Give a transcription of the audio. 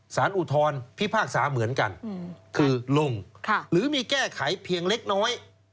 อุทธรพิพากษาเหมือนกันคือลงหรือมีแก้ไขเพียงเล็กน้อย